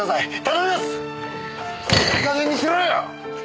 いい加減にしろよ！